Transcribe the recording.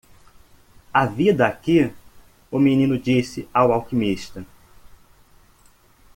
"Há vida aqui?" o menino disse ao alquimista.